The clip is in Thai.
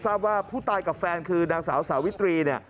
ทราบว่าผู้ตายกับแฟนคือนางสาวสาวิตรีเนี่ย